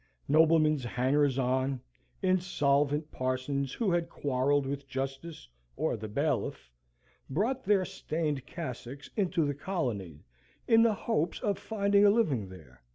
Noblemen's hangers on, insolvent parsons who had quarrelled with justice or the bailiff, brought their stained cassocks into the colony in the hopes of finding a living there.